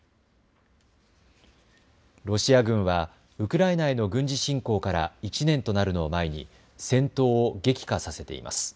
ロシア軍はウクライナへの軍事侵攻から１年となるのを前に戦闘を激化させています。